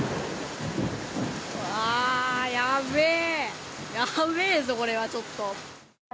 あー、やべえ、やべーぞ、これはちょっと。